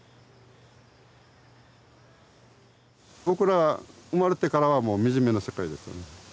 僕ら生まれてからはもうみじめな世界ですよね。